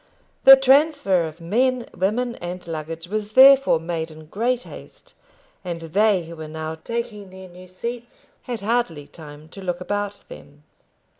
The transfer of men, women, and luggage was therefore made in great haste, and they who were now taking their new seats had hardly time to look about them.